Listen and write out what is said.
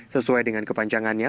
sesuai dengan kepanjangannya